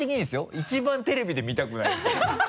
一番テレビで見たくないのよ。